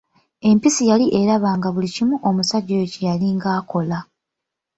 Empisi yali eraba nga buli kimu omusajja oyo kye yalinga akola.